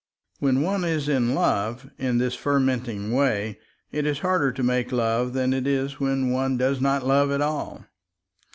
When one is in love, in this fermenting way, it is harder to make love than it is when one does not love at all.